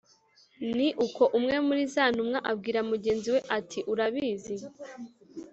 ni uko umwe muri za ntumwa abwira mugenzi we ati"urabizi